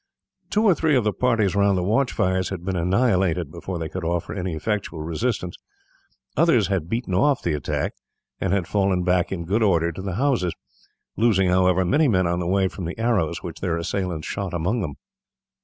Two or three of the parties round the watch fires had been annihilated before they could offer any effectual resistance, others had beaten off the attack, and had fallen back in good order to the houses, losing, however, many men on the way from the arrows which their assailants shot among them.